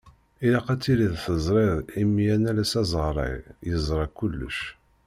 Ilaq ad tiliḍ teẓriḍ imi anallas azeɣray yeẓra kullec.